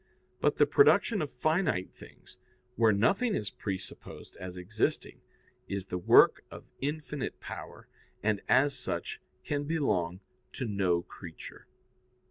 But the production of finite things, where nothing is presupposed as existing, is the work of infinite power, and, as such, can belong to no creature.